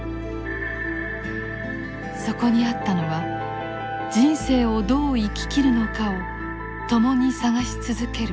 そこにあったのは人生をどう生き切るのかを共に探し続ける対話でした。